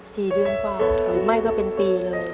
สี่เดือนกว่าหรือไม่ก็เป็นปีเลย